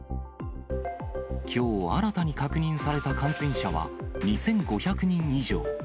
きょう新たに確認された感染者は２５００人以上。